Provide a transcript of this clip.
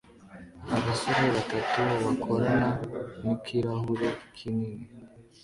Abasore batatu r bakorana nikirahure kinini